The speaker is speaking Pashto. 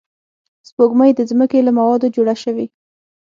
سپوږمۍ د ځمکې له موادو جوړه شوې